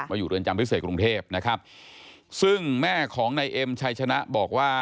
อยู่เรือนจำพิเศษกรุงเทพนะครับซึ่งแม่ของนายเอ็มชัยชนะบอกว่า